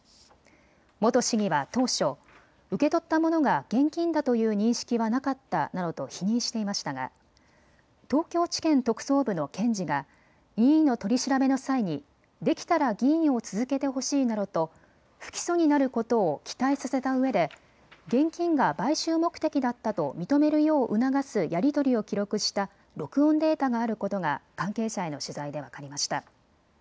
元市議は当初、受け取ったものが現金だという認識はなかったなどと否認していましたが東京地検特捜部の検事が任意の取り調べの際にできたら議員を続けてほしいなどと不起訴になることを期待させたうえで現金が買収目的だったと認めるよう促すやり取りを記録した録音データがあることが関係者への取材で分かりました。